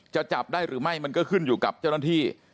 จะจับได้หรือไม่มันก็ขึ้นอยู่กับเจ้าหน้าที่